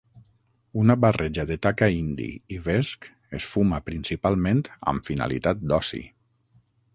Una barreja de taca indi i vesc es fuma principalment amb finalitat d'oci.